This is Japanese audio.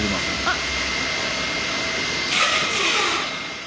あっ。